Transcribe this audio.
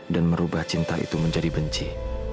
dan merubah cinta itu menjadi benci